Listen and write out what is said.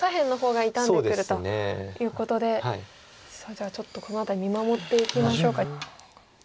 じゃあちょっとこの辺り見守っていきましょうか。